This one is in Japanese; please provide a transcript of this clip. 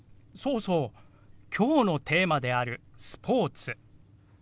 そうそう今日のテーマである「スポーツ」。